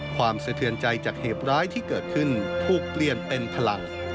สะเทือนใจจากเหตุร้ายที่เกิดขึ้นถูกเปลี่ยนเป็นพลัง